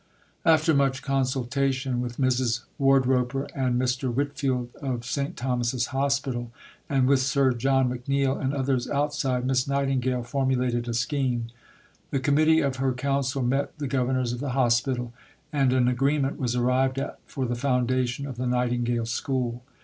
After much consultation with Mrs. Wardroper and Mr. Whitfield of St. Thomas's Hospital, and with Sir John McNeill and others outside, Miss Nightingale formulated a scheme. The Committee of her Council met the Governors of the Hospital, and an agreement was arrived at for the foundation of the Nightingale School.